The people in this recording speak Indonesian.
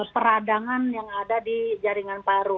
peradangan yang ada di jaringan paru